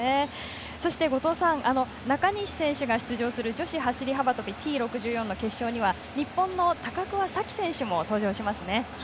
そして、後藤さん中西選手が出場する女子走り幅跳びＴ６４の決勝には日本の高桑早生選手も登場します。